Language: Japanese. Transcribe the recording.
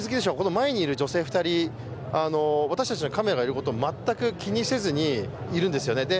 前にいる女性２人、私たちカメラがいることを全く気にせずにいるんですね。